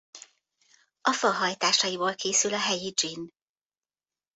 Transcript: A fa hajtásaiból készül a helyi gin.